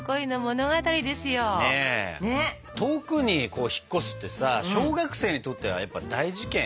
遠くに引っ越すってさ小学生にとってはやっぱ大事件ですもんね。